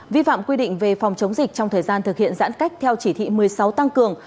vi phạm quy định về phòng chống dịch trong thời gian thực hiện giãn cách theo chỉ thị một mươi sáu tăng cường